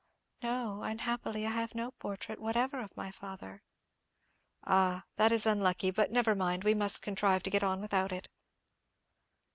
"No, unhappily I have no portrait whatever of my father." "Ah, that is unlucky; but never mind, we must contrive to get on without it."